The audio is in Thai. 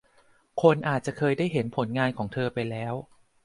คนอาจจะเคยได้เห็นผลงานของเธอไปแล้ว